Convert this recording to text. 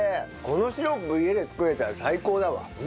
このシロップ家で作れたら最高だわ。